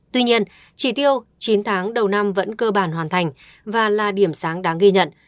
tuy nhiên chỉ tiêu chín tháng đầu năm vẫn cơ bản hoàn thành và là điểm sáng đáng ghi nhận